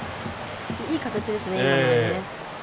いい形ですね、今のはね。